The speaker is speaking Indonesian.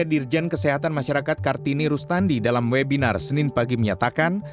dirjen kesehatan masyarakat kartini rustandi dalam webinar senin pagi menyatakan